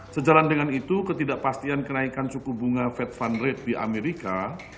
sejalan dengan itu ketidakpastian kenaikan suku bunga fed fund rate di amerika